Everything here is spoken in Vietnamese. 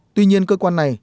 tuy nhiên cơ quan này